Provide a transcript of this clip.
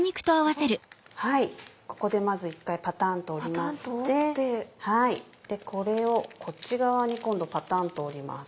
ここでまず１回パタンと折りましてこれをこっち側に今度パタンと折ります。